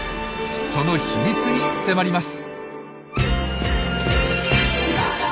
その秘密に迫ります！